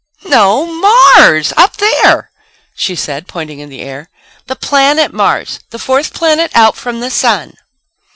"No, Mars! Up there," she said, pointing up in the air. "The planet Mars. The fourth planet out from the sun."